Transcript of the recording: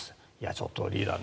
ちょっとリーダー